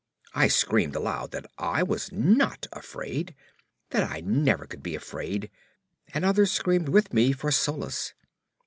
I screamed aloud that I was not afraid; that I never could be afraid; and others screamed with me for solace.